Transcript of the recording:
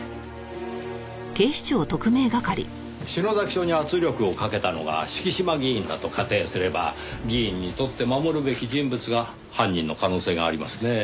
署に圧力をかけたのが敷島議員だと仮定すれば議員にとって守るべき人物が犯人の可能性がありますねぇ。